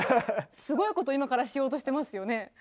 すごいことを今からしようとしてますよね。